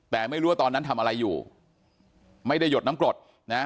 แต่ไม่รู้ว่าตอนนั้นทำอะไรอยู่ไม่ได้หยดน้ำกรดนะฮะ